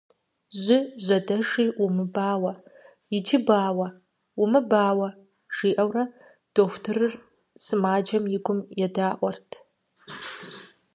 – Жьы жьэдэши умыбауэ! Иджы бауэ! Умыбауэ! - жиӏэурэ дохутырыр сымаджэм и гум едаӏуэрт.